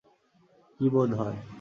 কি বােধ হয়?